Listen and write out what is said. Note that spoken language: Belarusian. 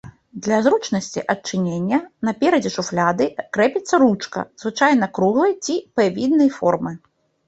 Для зручнасці адчынення, на перадзе шуфляды крэпіцца ручка, звычайна круглай ці п-віднай формы.